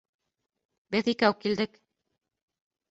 Беҙ икәү килдек